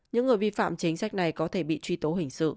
những người vi phạm chính sách này có thể bị truy tố hình sự